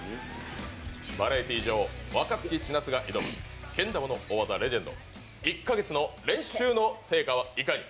バラエティー女王、若槻千夏が挑むけん玉の大技、レジェンド、１か月の練習の成果はいかに。